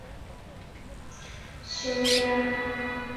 匈牙利领土上的所有邮局受控于匈牙利邮政管理局。